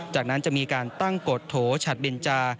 จากนั้นจะมีการตั้งกฎโถฉัดเบนจา